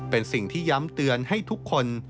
เป็นสิ่งที่ย้ำเตือนให้ทุกคน